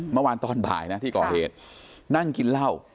เมื่อวานตอนบ่ายนะที่ก่อเหตุนั่งกินเหล้า